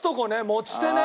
持ち手ね。